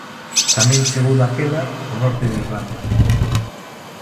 Tamén chegou daquela ao norte de Irlanda.